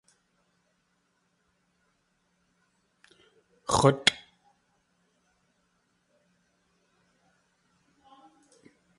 X̲útʼ!